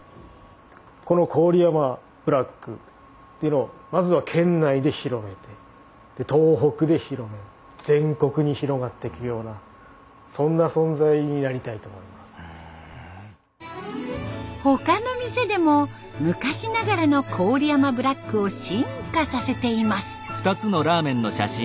この郡山ブラックっていうのをまずは県内で広めて東北で広め他の店でも昔ながらの郡山ブラックを進化させています。